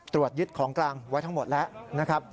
ตรวจยึดของกลางไว้ทั้งหมดแล้วนะครับ